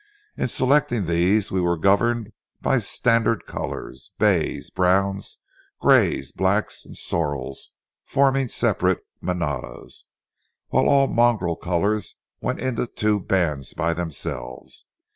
In selecting these we were governed by standard colors, bays, browns, grays, blacks, and sorrels forming separate manadas, while all mongrel colors went into two bands by themselves.